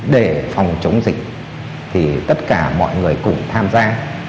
để phòng chống dịch thì tất cả mọi người cùng tham gia